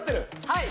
はい！